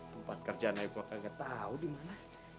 tempat kerjaan ibu akan ketahui di mana